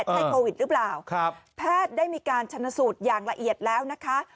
ใช่โควิดหรือเปล่าครับแพทย์ได้มีการชนะสูตรอย่างละเอียดแล้วนะคะ